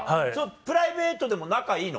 プライベートでも仲いいの？